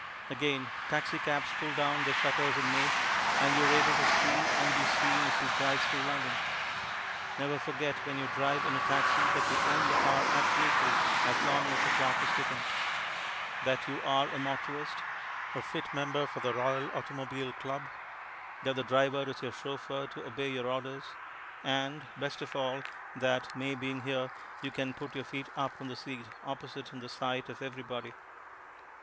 Again, taxicabs pull down their shutters in May, and you are able to see and be seen as you drive through London. Never forget when you drive in a taxi that you own the car absolutely as long as the clock is ticking; that you are a motorist, a fit member for the Royal Automobile Club; that the driver is your chauffeur to obey your orders; and, best of all, that, May being here, you can put your feet upon the seat opposite in the sight of everybody.